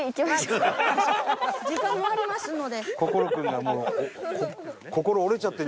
時間もありますので。